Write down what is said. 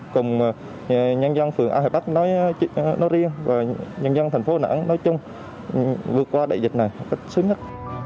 cùng nhân dân phường a hoài bắc nói riêng và nhân dân thành phố nẵng nói chung vượt qua đại dịch này sớm nhất